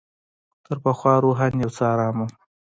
تر پخوا روحاً یو څه آرام وم.